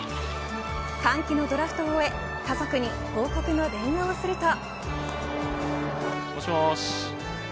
歓喜のドラフトを終え家族に報告の電話をすると。